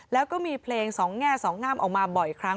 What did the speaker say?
แล้วก็มีเพลงสองแง่สองงามออกมาบ่อยครั้ง